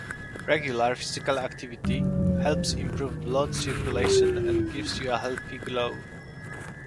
Regular physical activity helps improve blood circulation and gives you a healthy glow.